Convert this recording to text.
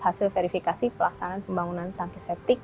hasil verifikasi pelaksanaan pembangunan tangki septik